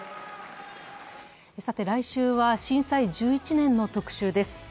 来週は震災１１年の特集です。